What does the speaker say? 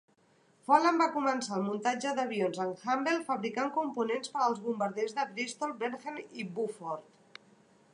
Folland va començar el muntatge d'avions en Hamble fabricant components per als bombarders de Bristol Blenheim i Beaufort.